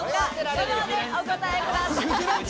５秒でお答えください。